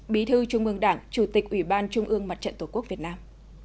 bí thư trung ương đảng chủ tịch ủy ban trung ương mặt trận tổ quốc việt nam